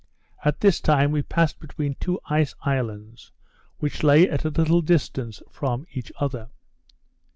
At this time we passed between two ice islands, which lay at a little distance from each other.